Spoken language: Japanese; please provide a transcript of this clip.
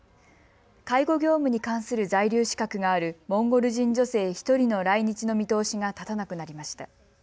介護業務に関する在留資格があるモンゴル人女性１人の来日の見通しが立たなくなりました。